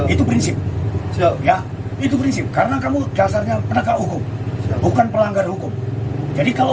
itu prinsip ya itu prinsip karena kamu dasarnya penegak hukum bukan pelanggar hukum jadi kalau